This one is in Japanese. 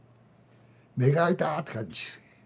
目があいたって感じ。